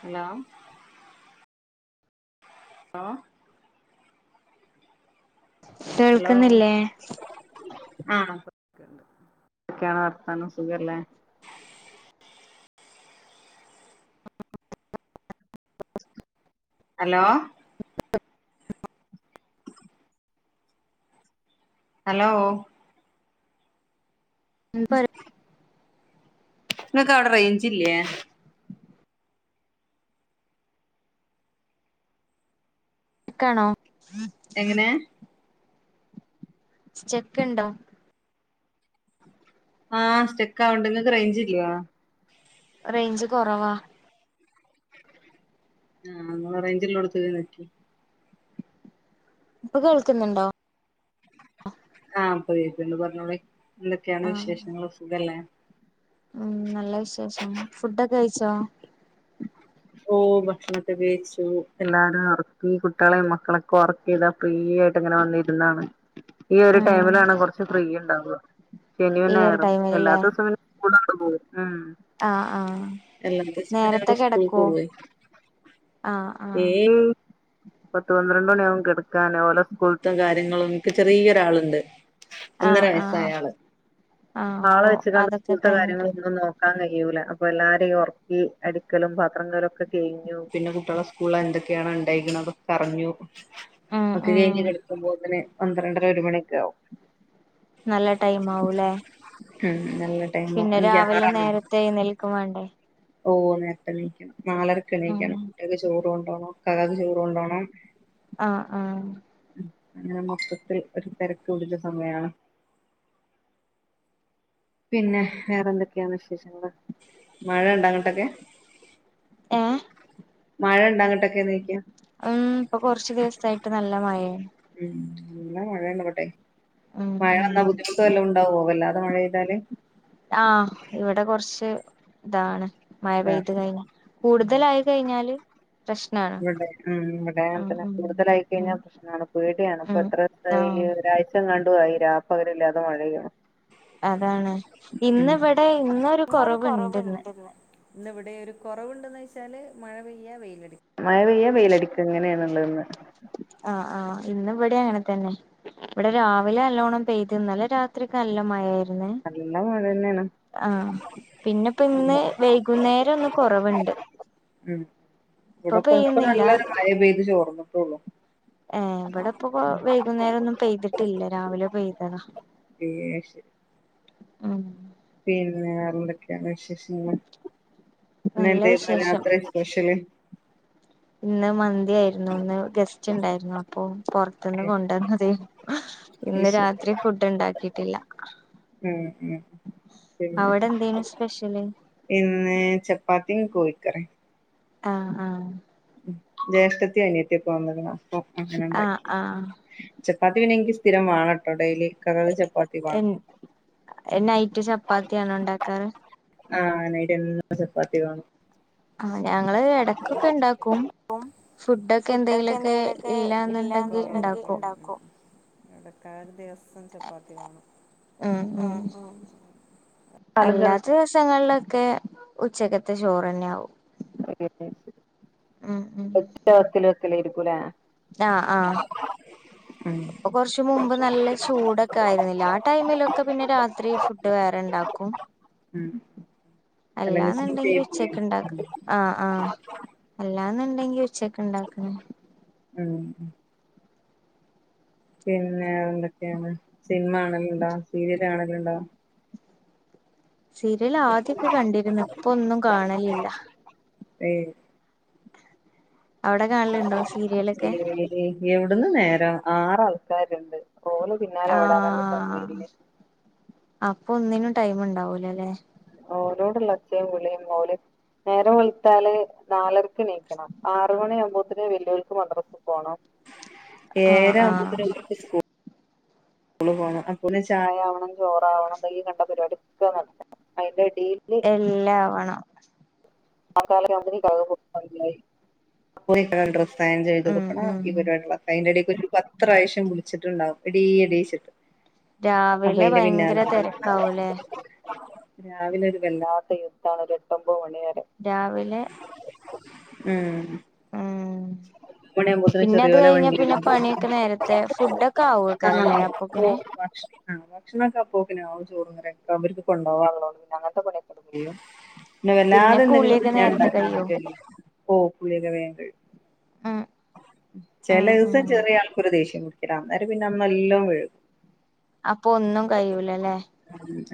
Hello hello hello കേൾക്കുന്നില്ലേ ആഹ് ഇപ്പൊ ക്കണ്ട് ന്തൊക്കെയാണ് വർത്താനം സുഖല്ലേ ഹലോ ഹലോ ഉം പറ ഇങ്ങക്ക് അവിട റേഞ്ച് ഇല്ലേ ക്കാണോ എങ്ങനെ സ്റ്റക്ക് ഇണ്ടോ ആഹ് സ്റ്റെക്കാവണ്ട് ഇങ്ങൾക്ക് റേഞ്ച് ഇല്ല്യേ റേഞ്ച് കൊറവാ ആഹ് ഇങ്ങള് റേഞ്ചിള്ളോട്ത്ത് പോയി നിക്കി ഇപ്പ കേൾക്കുന്നുണ്ടോ ആഹ് ഇപ്പ കേക്കണ്ട് പറഞ്ഞോളി എന്തൊക്കെയാണ് ആഹ് വിശേഷങ്ങള് സുഖല്ലേ ഉം നല്ല വിശേഷം ഫുഡൊക്കെ കഴിച്ചോ ഓ ഭക്ഷണക്ക ക്കഴിച്ചു എല്ലാരും ഉറക്കി കുട്ടികളെയും മക്കളൊക്കെ ഉറക്കി ക്കീതാ ഫ്രീയായിട്ട് ഇങ്ങനെ വന്നിരുന്നാണ് ഈ ഒരു ആഹ് ടൈമിലാണ് കൊറച്ച് ഫ്രീ ഇണ്ടാവുവ ശനീയും ഈ ഒരു ഞായറും ടൈമിലല്ലേ അല്ലാത്തൂസം ഉം ആഹ് ആഹ് എല്ലാം നേരത്തെ [unintelligible] കിടക്കുവോ പോവെ ആഹ് ആഹ് ഏഹ് മ് പത്ത്പന്ത്രണ്ട് മണിയാവും കെട്ക്കാന് ഓലേസ്കൂൾത്തേ കാര്യങ്ങളും ഇൻക്ക് ചെറിയൊരാള്ണ്ട്. ഒന്നെര ആഹ് ആഹ് വയസായാആള് ആഹ് ആളെ അപ്പൊ വെച്ച്ക്കാണ്ട് അതൊക്കെ സ്കൂൾത്തെ കഴിഞ്ഞിട്ട് കാര്യങ്ങളൊന്നുംനോ ക്കാൻകഴിയൂലഅപ്പൊല്ലാരിം ഒർക്കി അടിക്കലും പത്രങ്ങളൊക്കെകെയ്ഞ്ഞു പിന്നെകുട്ടികളെ സ് സ്കൂളില് എന്തൊക്കെയാണ് ഇണ്ടയിക്ക്ണ് അതൊക്കെ അറിഞ്ഞു ഉം ഒക്കെ ഉം കഴിഞ്ഞ് കെട്ക്കുമ്പോത്തിന് പന്ത്രണ്ടര ഒര്മണിയൊക്കെആവും. നല്ലെ ടൈമാവുലെ ഉംന്നല്ലേ പിന്നെരാവിലെ നേരെത്തെ എഴുന്നേൽക്കുംവേണ്ടേ ഓ നേര്ത്തെ എണീക്കണം ഉം നാലരക്ക്എണീക്കണം കുട്ടിയാക്ക് ചോറ്കൊണ്ടോണം ഇകക്ക് ചോറ് കൊണ്ടോണം ആഹ്, ആഹ് ആങ്ങനെമൊത്തത്തിൽ ഒര് തെരക്ക് പിടിച്ച സമയാണ്. പിന്നെ വേറെന്തൊക്കെയാണ് വിശേഷങ്ങള് മഴണ്ടോ അങ്ങട്ടൊക്കെ ഏഹ് മഴണ്ടോ അങ്ങട്ടൊക്കെനീക്കിയ ഉം ഇപ്പോകൊർച്ച് ദിവസായിട്ട്ന്നല്ലെ മയേ ഉം ന്നല്ലെമയേല്ലേബടെ ഉം മഴവെന്നാ ഉം ബുദ്ധിമുട്ട്വെല്ലോംഇണ്ടാവോ വല്ലാതെമഴെയ്താല്? ആഹ് ഇവടെകൊർച്ച് താണ് ഇതാ മഴപെയ്ത്കഴിഞ്ഞകൂടുതലായി കഴിഞ്ഞാല് പ്രശ് ഇവടെ ഉം ഇവിടെങ്ങതെന്നെ കൂടുതലായി ഉം കഴിഞ്ഞാൽപ്രശ് മം പേടിയാണ് ഉം ഇപ്പൊഎത്രോസായി ആഹ് ഈ ഒരാഴ്ചങ്ങാണ്ടു ആയി ഈരാപ്പകലില്ലാതെ മഴയെണ്. അതാണ് ഇന്ന് വടെഇന്നൊരു ഇന്നൊരു കൊറവ് കുറവ്ണ്ട്ന്ന്. ഇന്ന് ഇവടെ ഒര്കൊറവ്ണ്ടോയ്ച്ചാല് മഴപെയ്യ വെയ്ലടിക്ക. മഴപെയ്യ വെയ്യ്ലടിക്ക ഇങ്ങനെള്ളെന്ന്. ആഹ് ആഹ് ഇന്ന്വ്ടെഅങ്ങെതെന്നെ ഇവ്ടെ രാവിലെന്നല്ലോണം പെയ്ത് ഇന്നലെരാത്രിയൊക്കെ നല്ലെമയായിരുന്നു. നല്ല മഴന്നെയാണ്. ആഹ് പിന്നെപ്പോഇന്ന് വെയ്കുന്നേരം ഒന്ന്കൊറവ്ണ്ട്. ഉം ഇവിടെപ്പോ പെയ്യുന്നില്ല ഇപ്പോന്നല്ലൊരു മഴ പെയ്ത്ചോർന്നിട്ടൊള്ളൂ. ഏഹ് ഇവടെപ്പോ കോ വെയ്കുന്നേരം ഒന്നും പെയ്തിട്ടില്ലരാവിലെപെയ്തതാ യിയേ അഹ്ശെരി ആഹ് പിന്നെന്തൊക്കെയാണ് വിശേഷങ്ങൾ നല്ല ഇന്നെന്തേയായിരുന്നു വിശേഷം രാത്രിസ്പെഷ്യല്? ഇന്ന്മന്തിആയിരുന്നു ഇന്ന്ഗെസ്റ്റ് ഇണ്ടായിരുന്നു അപ്പോപൊർ ത്ന്ന് കൊണ്ട് വന്നതെന്നുഇന്ന് വിശ് രാത്രി ഫുഡ്ഇണ്ടാക്കിട്ടില്ല. ഉം ഉം പിന്നെ അവ്ടെഎന്തേനുസ്പെഷ്യല്? ഇന്ന് ചപ്പാത്തീം കോഴിക്കറിം. ആ ആ മ് ജ്യേഷ്ഠത്തി അനിയത്തിയൊക്കെ വന്ന്ക്ക്ണ് അപ്പോ ആഹ് അങ്ങനെഇണ്ടാക്കി ചപ്പാത്തിപിന്നെൻക്ക് സ്ഥിരംവാണംട്ടോ ഡെയ്ലി ഇക്കാക്കക്ക് ചപ്പാത്തി എൻ വാണം നൈറ്റ് ചപ്പാത്തിയാണോ ഉണ്ടാക്കാറ് ആഹ് നൈറ്റെന്നും ചപ്പാത്തി കാണും ആഹ് ഞങ്ങള്എടക്കൊക്കെ ഇണ്ടാക്കും ഫുഡൊക്കെ എന്തെങ്കിലുമൊക്കെ ഇല്ലന്നുണ്ടെങ്കിൽ ഇണ്ടാക്കും അക്കോ എടക്കാലദിവസം സം ചപ്പാത്തിവേണം ഉം ഉം മം മം മം നാലഞ്ചെണ്ണം ത്ത്ദിവസങ്ങളിലൊക്കെ ഉച്ചക്കത്തെ ചോറ്ന്നെയാവും ഉം അക്കൽ വെക്കല ഇരിക്കൂലേ ആഹ ആഹ ഉം ഇപ്പോ കുറച്ചു മുമ്പ് നല്ല ചൂടൊക്കെ ആയിരുന്നില്ല ആ ടൈമിലൊക്കെ പിന്നെ രാത്രി ഫുഡ് വേറെ ഇണ്ടാക്കും ഉം അല്ലെങ്കി അല്ലാന്നുണ്ടെങ്കി സ്കിപ്പായി പോവും ഉച്ചക്ക് ഉണ്ടാക്ക ആഹ ആഹ അല്ലാന്നുണ്ടെങ്കി ഉച്ചക്ക ഉണ്ടാക്കണ ഉം പിന്നെ എന്തൊക്കെയാണ് സിനിമ കാണൽ ഉണ്ടോ സീരിയൽ കാണൽ ഉണ്ടോ സീരിയൽ ആദ്യൊക്കെ കണ്ടിരുന്നു ഇപ്പൊ ഒന്നും കാണലില്ല ഏ അവിടെ കാണലുണ്ടോ സീരിയലൊക്കെ എവിടന്ന് നേരം ആറാൾക്കാരുണ്ട് റോന് പിന്നാല ഓടാനണ്ട് ആഹ് കഴല്ലേ അപ്പൊ ഒന്നിനും ടൈം ഉണ്ടാവൂലല്ലേ ഓരോടുള്ള ഒച്ചയും വിളിയും ഓര് നേരെ വെളുത്താല് നാലര രക്ക് എണീക്കണം ആറു മണി ആകുമ്പോത്തേ വെല്ലുവിൾക്ക് മദ്രൽ പോണം ആഹ് ഏഴര ആഹ് ആവുമ്പത്തിനും ഒരുത്തിക്കു സ്കൂൾ ന്നെ ചായാവണം ചോറണം എന്തെങ്ക കണ്ട പരിപാടിക്കെ നടണം അയിന്റെ ഇടയിൽ എല്ല ആാവണം മക്കാല ക്രസായം ചെയ്ത് ഉം കൊടുക്കണം ഉം ഇവരുള്ള അതിന്റെ ഇടയ്ക്ക് ഒരു പത്ത്പ്രാവശ്യം വിളിച്ചിട്ടുണ്ടാവകും ഇട ഇടച്ചിട്ട് രാവിലെ ഭയങ്കര നടക്കണം തിരക്കാവൂലേ രാവിലെ ഒരു വല്ലാത്ത യുദ്ധം ആണ് ഒരു എട്ട്മ്പത് മണിയ വരെ രാവിലെ ഉം ഉം ഒബാത് മണിയുമ്പോത്തിനും പിന്നെ ചെറിയ അത് പോലെ കഴിഞ്ഞ വണ്ടി പിന്നെ പണിയൊക്കെ നേരത്തെ ഫുഡൊക്കെ ആ ആവുവക്കാരല്ലേ ഓ അപ്പൊക്കിന് ആ് ഭക്ഷണൊക്കെ അപ്പക്കന ആോ ചോറ്ന്നരൊക്കെ അവർക്ക് കൊണ്ടോകോ അവോട് പിന്നെ അങ്ങത്തെ പണിയക്കടുോ പിന്നെ പിന്നെ വല്ലാതെ കുളിയൊക്കെ നേരത്തെ കഴിയോ എന്തെങ്കിലുംാൻണ്ടാക്കാൻറ്റ ഓ പുളികവയങ്ങൾ ഉം ചില ഉം ഉം ദിവസം ചെറിയ ആൾക്കൂരു ദേഷ്യം കുടിക്കട്ട അന്നേം പിന്നെ അന്ന എല്ലാം വെഴുകും അപ്പൊ ഒന്നും കഴൂലല്ലേ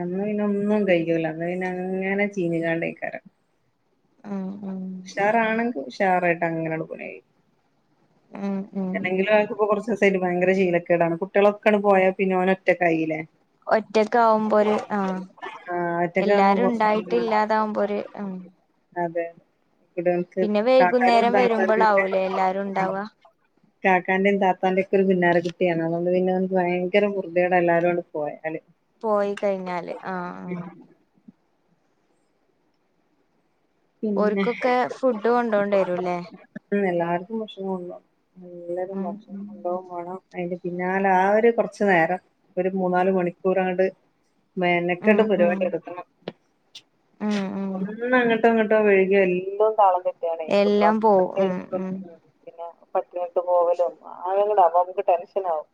അന്ന് പിന്നെ ഒന്നും കഴിക്കല അന്ന് പിന്നെ അങ്ങനെ ചീനിക്കാണ്ടക്കാര ഉം ഉം ഷാറാണെങ്കിൽ ഷാറായിട്ട് അങ്ങനെയള്ള പോ ഉം ഉം അല്ലെങ്കില അവക്ക്പ്പോൊ കുറച്ച് ദിവസമായിട്ട ഭയര ശീലക്കേടാണ് കുട്ടികളൊക്കെയാണ് പോയ പിന്നെ അവന ഒറ്റ കൈയിലേ ഒറ്റക്ക ആവുമ്പോ ഒരു ആ ആഹ് ഒറ്റക്കാവുമ്പോ എല്ലാരും കുറച്ച് ഉണ്ടായിട്ട് ഇല്ലാതാവുമ്പോ ഒരു ഉ അതെ അതെ ഇവിടെ നമക്ക് വൈകുന്നേരം കാട്ടാനുംന്താത്തല്ലേ വരുമ്പോളാവൂലേ എല്ലാരും ഉണ്ടാവുക കാക്കാന്റെയും താത്താന്റെയും ഒക്കെ ഒരു പിന്നാര കുട്ടിയാണ് അതുകൊണ്ട് പിന്നെ നക്ക് ഭയങ്കര പുറതേടാത് എല്ലാരുണ്ട് പോയല് പോയി കഴിഞ്ഞാല് ആഹ ആ പിന്നെ ഓര്ക്കൊക്കെ ഫുഡ് കൊണ്ടോണ്ട വരുംല്ലേ ഉ എല്ലാർക്കും മോഷണം ഉണ്ടാവും നല്ലരും ഉം ഭോഷണം ഉണ്ടാവകും വേണം അതിന്റെ പിന്നാല ആര് കൊറച്ചു നേരം ഒരു മൂന്നാാല് മണിക്കൂർണ്ട് ഉം വേനക്കാട് ഉം ഉം പരിപാടി എടുക്ക ഉം ഉം ഒന്നങ്ങ ഇട്ടം കിട്ടോ വഴുകിയോ എല്ലാം താളം തെട്ടിയാണ് ഈ കുട്ട എല്ലാം പോവും ഉം ഉം പിന്നെ പട്ടണിട്ട് പോവലും ആയെങ്കിലും ആ്പോ നമുക്ക് ടെൻഷൻ ആാവും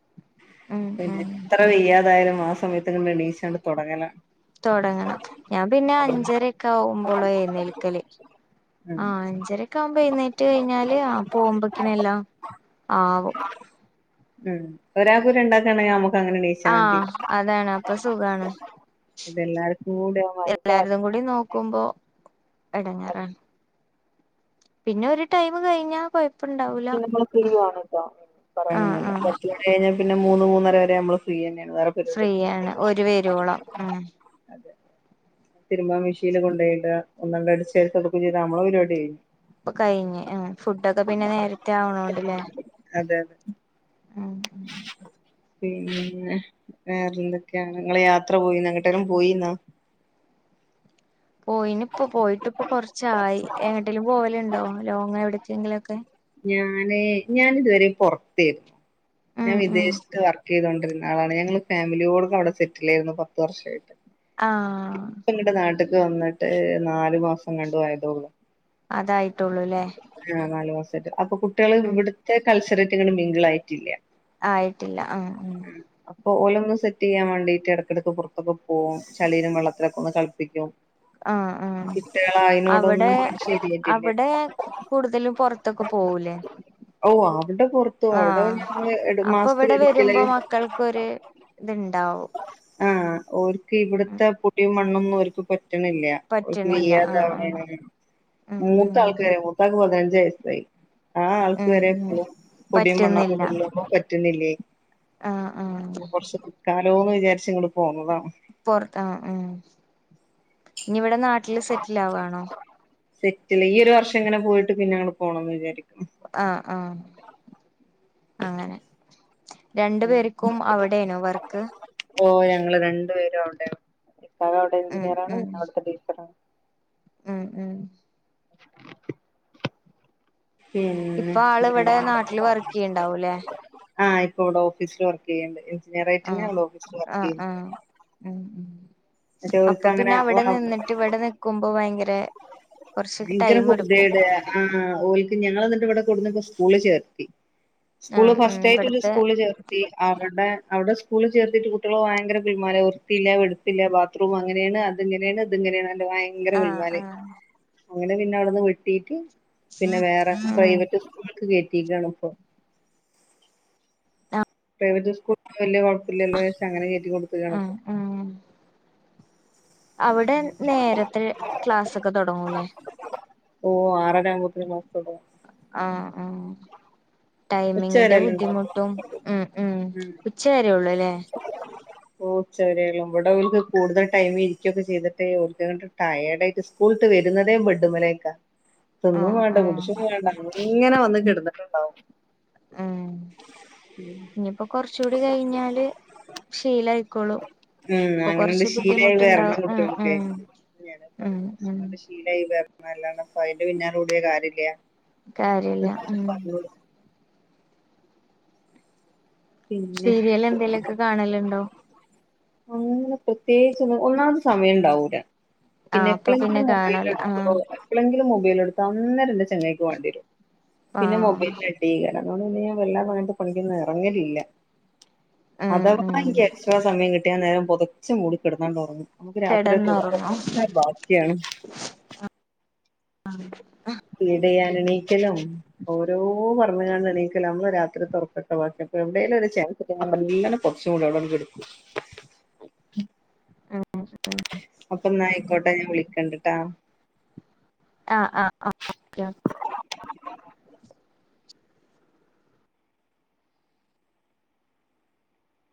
ഉം പിന്ന ഉം എത്ര വെയ്യാതായാലും ആ സമയത്ത് കൊണ്ട് എണീച്ചണ്ട് തുടങ്ങല തുടങ്ങണം ഞാൻ പിന്നെ അഞ്ചരൊക്കെ ആവുമ്പോളോ ഏഴ് ന്നേൽക്കല് ഉം ആഹ് അഞ്ചരക്കെ ആവുമ്പോഴുന്നേറ്റ് കഴിഞ്ഞാല് ആ പോകുമ്പോക്കിനെല്ലാം ആവും ഉം ഒരാക്ക് രണ്ടാക്കണങ്കിൽ നമക്ക് അങ്ങനെ മതി ആഹ് അതാണ് അപ്പൊ സുഖാണ് ഇതെല്ലാർക്കും കൂടി ആവുമ്പോ അഞ്ചാൾ എല്ലാര്തു കൂടി നോക്കുമ്പോ എടങ്ങേറാണ് പിന്നെ ഒരു ടൈമ് കഴിഞ്ഞാ കൊഴപ്പ [unintelligible] അത് ആഹ് ആഹ് കഴിഞ്ഞൽ പിന്നെ മൂന്ന് മൂന്നര വരെ നമ്മള് ഫ്രിയാണ് വെറെ ഫ്രീയാണ് ഒര് വെരോളം ഉം അതെ തിരുമ്പാ മിഷീല് കൊണ്ടോയിട ഒന്ന് അടിച്ച് വാരി തൊടുക്കും ചെയ്താ നമ്മള് പരിപാടി കഴിയും ഇപ്പ കഴിഞ്ഞ് ഫുഡൊക്കെ പിന്നെ നേരത്തെ ആവണോണ്ട്ല്ലേ അതെ അതെ ആ പിന്നെ വേറെന്തൊക്കെയാണ് നിങ്ങള് യാത്ര പോയിനേ എങ്ങട്ടേലും പോയിന്നാ പോയിനി ഇപ്പോ പോയിട്ട് ഇപ്പൊ കൊറച്ചായി എങ്ങട്ടേലും പോവലുണ്ടോ ലോങ്ങ് എവിടക്കെങ്കിലെക്കെ ഞാന് ഞാാനിതുവരെ പെറത്തേനു ഞാൻ ഉം ഉം വിദേശത്ത് വർക്ക് ചെയ്തൊണ്ടിരുന്ന ആളാണ് ഞങ്ങള് ഫാമിലിയോട് ക്കെ അവിടെ സെറ്റിലായിരുന്നു പത്തു വർഷയിട്ട് ആ ഇങ്ങട്ട് നാട്ട്ക്ക് വന്ന്ട്ട് നാല് മാസം കണ്ടു ആയതോളു അതായിട്ടെള്ളൂല്ലേ ആ നാല് മാസയിട്ട് അപ്പൊ കുട്ട്യോള് ഇവിടത്തെ കൾച്ചറായിട്ട് ഇങ്ങനെ മിംഗിളായിട്ടില്ല ആയിട്ടില്ല ആഹ് ഉം ഉം അപ്പോ ഓലൊന്ന് സെറ്റ് ചെയ്യാ വേണ്ടിട്ട് ഇടക്കിടക്ക് പുറത്തൊക്കെ പോവും ചെളീലും വെള്ളത്തിലൊക്കെ ഒന്ന് കളിപ്പിക്കും ആഹ് ആഹ് കുട്ടികള് അവടെ അയിനോടൊന്നും അങ്ങട് ശരിയായിട്ടില്ല അവടെ കൂടുതലും പെറത്തൊക്കെ പോവൂലേ ഓ അവടെ പെറത്തു പോവും ആഹ് അവടെ മാസത്തിലെരിക്കല് മക്കൾക്കൊര് ഇത്ണ്ടാവും ആഹ് ഓര്ക്ക് ഉം ഇവിടത്തെ പെടിംമണ്ണൊന്നും ഓര്ക്ക് പറ്റ്ണില്ല ഒൽക്ക് പറ്റണില്ല ആഹ് ആഹ് ഇല്ല്യതാവ്ണാണ് ഉം മൂത്ത ഉം ആൾക്ക് വരെ മൂത്താക്ക് പതിനഞ്ച് വയസ്സായി ആ ആൾക്ക് ഉം വരെ ഉം ഇപ്പോ പൊടിയും മണ്ണൊക്കെ പറ്റുന്നില്ല പറ്റുന്നില്ലെ ആഹ് ആഹ് കൊറച്ച് നിക്കാല്ലോ വിചാരിച്ച് ഇങ്ങ് പോന്നതാ പെർത്ത് ആഹ് ഉം ഇനി ഇവടെ നാട്ടില് സെറ്റിലാവാണോ സെറ്റില് ഈ ഒരു വർഷം ഇങ്ങനെ പോയിട്ട് പിന്നെ ഞങ്ങള് പോണന്ന് വിചാരിക്കുന്നു ആഹ് ആഹ് അങ്ങനെ രണ്ടു ഉം പേര്ക്കും അവിടെനു വർക്ക് ഓ ഞങ്ങള് രണ്ടു പേരും അവിടെ ഇക്കാ അവിടെ ഉം എഞ്ചിനീയറാണ് ഞാൻ ഉം അവിടത്തെ ടീച്ചറണ് ഉം ഉം ഉം ഇപ്പൊ ആള് അങ്ങനേണ് ഇവിടെ നാട്ടില് വർക്ക് ചെയ്യണ്ടാവൂല്ലേ ആഹ് ഇപ്പ ഇവിടെഓഫീസില് വർക്ക് ചെയ്യ്ണ്ട് എഞ്ചിനിയറായിട്ടന്നെ ആഹ് ഓഫീസില് വർക്ക് ആഹ് ചെയുന്നുണ്ട് ആഹ് ഉം ഉം അപ്പ ഓര്ക്ക് പിന്നെ അവടെ അങ്ങനെ നിന്നിട്ട് ഇവിടെ നിക്കുമ്പോ ഭയങ്കര കൊറച്ച് ഇൻക്കെരു ടൈം എടുക്കും പെർത്യോട് ആഹ് ഓൽക്ക് ഞങ്ങള് ന്നട്ട് ഇവിടെ കൊട്ന്ന് സ്കൂള് ചേർത്തി സ്കൂള് ആഹ് ഉം ഫസ്റ്റ് ആയിട്ട് ഒര് ഇവിടുത്തെ സ്കൂള് ചേർ ടത്തി അവടെ അവിടെ സ്കൂള്ല് ചേർത്തിട്ട് കുട്ടികള് ഭയങ്കര കുൽ മാല് വൃത്തില്ല വെടുപ്പ്ല്ല ബാ ത്ത്റൂമ് അങ്ങനെണ് അത്ങ്ങനെണ് ഇത്ങ്ങനെണ് പറഞ്ഞാണ്ട് ഭയങ്കര ആഹ് കുൽമ്മാല് ആഹ് അങ്ങനെ പിന്നെ അവിട്ന്ന് വെട്ടീട്ട് പിന്നെ വേറെ ഉം പ്രൈവറ്റ് സ്കൂൾ ക്ക് കോറ്റ്യക്കാണ് ഇപ്പം ആഹ് പ്രൈവറ്റ് സ്കൂള് ഇപ്പ വല്ല്യ കൊഴപ്പല്ലല്ലോച്ചാരിച്ച് അങ്ങനെ കയറ്റി കൊടുത്ത്ക്കാണ് ആഹ് പ്പം അവടെ നേരത്തെ ക്ലാസെക്കെ തെടങ്ങൂലേ ഓ ആറര ആപോത് ന് ക്ലാസ് തെടങ്ങും ആഹ്ആഹ് ഉച്ച ടൈമിങ്ങിന്റെ വരെയല്ലേ ഉണ്ടാവു ബുദ്ധിമുട്ടും ഉം ഉം ഉച്ച വരേള്ളുല്ലേ ഓ ഉച്ചവരെള്ളു വിടെ ഓൽക്ക് കൂടുതൽ ടൈം ഇരിക്കയൊക്കെ ചെയ്തിട്ട് ഓക്ക് ങ്ങട്ട് ടയേർഡ് ആയിട്ട് സ്ക്കൂള്ട്ട് വരുന്നതെ ബെഡ്മലെക്കാ തിന്നും ആഹ് വേണ്ട ആഹ് കുടിച്ചും വേണ്ടങ്ങനെ വന്ന് കിടന്നിട്ടുണ്ടാവും ഉം [unintelligible] ഇനിയിപ്പോ കൊറചൂടി കഴിഞ്ഞാല് ശീലയിക്കോളൂ ഉം അങ്ങനെണ്ട് ശീലായി വരണം ഉം കുട്ടികൾക്കേ ഉം [inaudible] ഉം ഉം ശീലായി വര്ണ്ണം അല്ലാണ്ട പ്പംഅയിന്റെ പിന്നാല കൂടിയ കാര്യല്ല കാര്യല്ല ഉം പിന്നെ സീരിയൽ എന്തേലുക്കെ കാണലുണ്ടോ അങ്ങനെ ന്ന് പ്രത്യേകിച്ച് ഒന്നും ഒന്നാമത് സമയണ്ടാവൂല ആഹ് അപ്പൊ പിന്നെ പിന്നെപ്പോഴെങ്കിലും മുബൈൽ കാണൂല എടു ആഹ് [inaudible] എപ്പളെങ്കിലും മൊബൈലടുത്ത അന്നേരം ന്റെ ചങ്ങയ്ക്ക് വാണ്ടയരും പിന്നെ ആഹ് മൊബൈല ലെ കാരം അതോ ണ്ട് പിന്നെ ഞാ വല്ലാ [unintelligible] റങ്ങലി ല്ല ഉം അഥവാ ഉം എനിക്ക് എക്സ്ട്രാ സമയം കിട്ടിയാ ആന്നേരം പുതച്ച് മൂടിക്കിടന്നാ ട്ടൊറങ്ങും നമ്മക്ക് രാത്രി ക്കത്തെ ഒറക്ക് കെടന്നൊറങ്ങും ഒക്കെ ബാക്കിയാണ് [unintelligible] ആ ഫീഡ് ചെയ്യാ ന്എണീക്കലും ഓരോ പറ്ഞ്ഞ് കാണ്ട് എണീ ക്കല് നമ്മള രാത്രി കത്തെ ഒർക്കൊക്കെ ബാക്കി അപ്പ എവിടെ ലും ഒര് ചാൻസ് കിട്ടിയാ ഞാ മെല്ല നെ പൊതച്ച് മൂടി അവടെ ണ്ട് കെടക്കും ആഹ്ആഹ് അപ്പ ന്നായിക്കോട്ടെ ഞാൻ വിളിക്കണ്ട് ട്ടാ ആഹ് ആഹ്